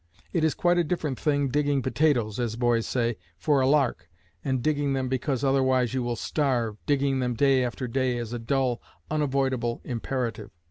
It is quite a different thing digging potatoes, as boys say, "for a lark," and digging them because otherwise you will starve, digging them day after day as a dull, unavoidable imperative.